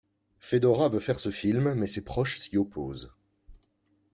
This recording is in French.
Fedora veut faire ce film, mais ses proches s'y opposent.